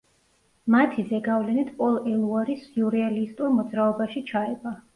მათი ზეგავლენით პოლ ელუარი სიურრეალისტურ მოძრაობაში ჩაება.